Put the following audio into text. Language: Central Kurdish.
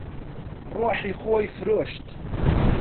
ڕۆحی خۆی فرۆشت.